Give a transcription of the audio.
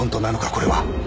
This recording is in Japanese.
これは。